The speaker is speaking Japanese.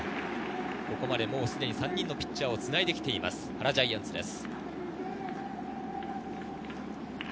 ここまで３人のピッチャーをつないで来ている原ジャイアンツです。